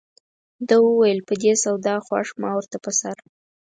ده وویل په دې سودا خوښ ما ورته په سر.